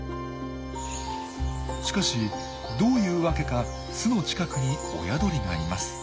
しかしどういうわけか巣の近くに親鳥がいます。